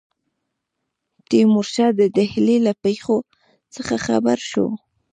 تیمورشاه د ډهلي له پیښو څخه خبر شو.